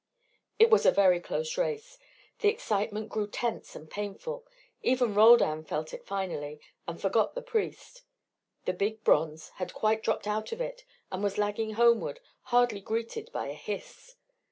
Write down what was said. It was a very close race. The excitement grew tense and painful. Even Roldan felt it finally, and forgot the priest. The big bronze had quite dropped out of it and was lagging homeward, hardly greeted by a hiss.